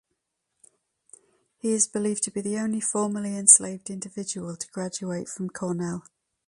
He is believed to be the only formerly enslaved individual to graduate from Cornell.